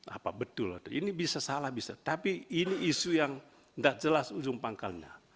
apa betul ini bisa salah bisa tapi ini isu yang tidak jelas ujung pangkalnya